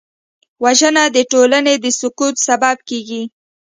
وژنه د ټولنې د سقوط سبب کېږي